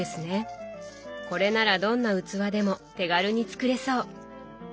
これならどんな器でも手軽に作れそう。